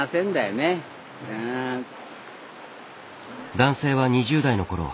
男性は２０代のころ